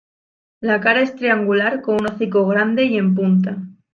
La cara es triangular con un hocico grande y en punta.